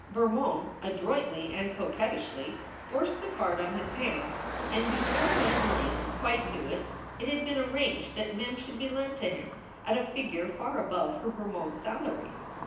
Bermond adroitly and coquettishly forced the card on his hand, and before Ned Ling quite knew it it had been arranged that Mem should be lent to him at a figure far above her Bermond salary.